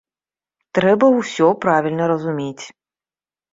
Трэба ўсё правільна разумець.